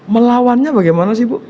melawannya bagaimana sih bu